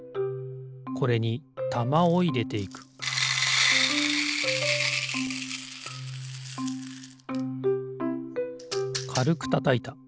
これにたまをいれていくかるくたたいた。